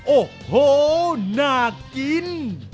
โอ้โหน่ากิน